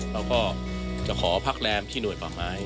เราก็จะขอพักแรมที่หน่วยป่าไม้